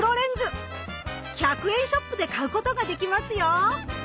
１００円ショップで買うことができますよ。